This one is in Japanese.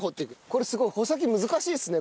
これすごい穂先難しいですね